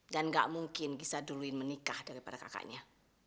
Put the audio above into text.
dan gak mungkin gisa duluin menikah daripada kakaknya